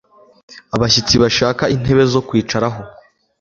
Abashyitsi Bashaka intebe zo kwicaraho.